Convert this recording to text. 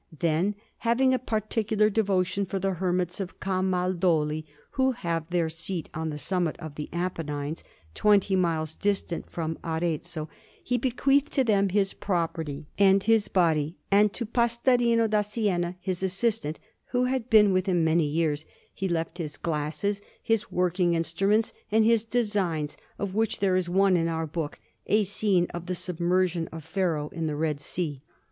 Then, having a particular devotion for the Hermits of Camaldoli, who have their seat on the summit of the Apennines, twenty miles distant from Arezzo, he bequeathed to them his property and his body, and to Pastorino da Siena, his assistant, who had been with him many years, he left his glasses, his working instruments, and his designs, of which there is one in our book, a scene of the Submersion of Pharaoh in the Red Sea.